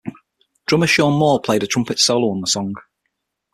Drummer Sean Moore played a trumpet solo on the song.